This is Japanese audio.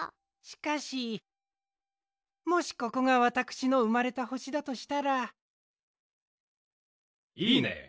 しかしもしここがわたくしのうまれた星だとしたら。いいね！